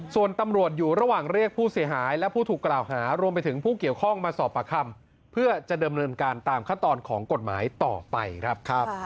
ส่วนตำรวจอยู่ระหว่างเรียกผู้เสียหายและผู้ถูกกล่าวหารวมไปถึงผู้เกี่ยวข้องมาสอบประคำเพื่อจะดำเนินการตามขั้นตอนของกฎหมายต่อไปครับ